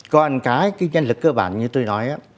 còn cái nhân lực cơ bản như tôi nói